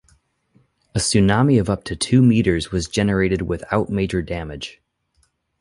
A tsunami of up to two meters was generated without major damage.